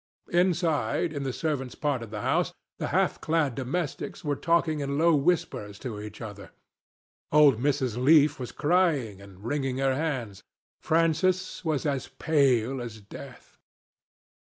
Inside, in the servants' part of the house, the half clad domestics were talking in low whispers to each other. Old Mrs. Leaf was crying and wringing her hands. Francis was as pale as death.